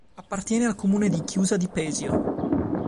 Appartiene al comune di Chiusa di Pesio.